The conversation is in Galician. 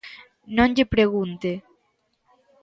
Non lle pregunte.